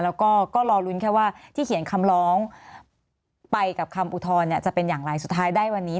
แล้วก็รอลุ้นแค่ว่าที่เขียนคำร้องไปกับคำอุทธรณ์จะเป็นอย่างไรสุดท้ายได้วันนี้